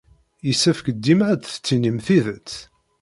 Yessefk dima ad d-tettinim tidet.